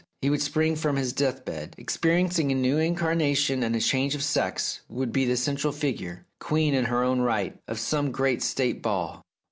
He would spring from his death bed, and, experiencing a new incarnation and a change of sex, would be the central figure, queen in her own right, of some great State ball.